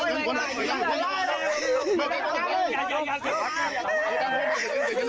มันต้องต้องต้องต้อง